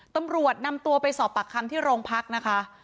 ตำรวจนำตัวไปสอบปากคำที่โรงพักนะคะ